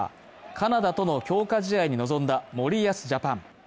カナダとの強化試合に臨んだ森保ジャパン。